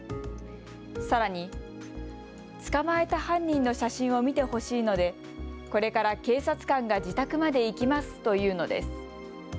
さらに、捕まえた犯人の写真を見てほしいのでこれから警察官が自宅まで行きますと言うのです。